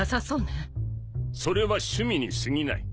それは趣味にすぎない。